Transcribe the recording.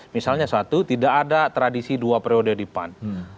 misalnya satu tidak ada tradisi dua periode di pan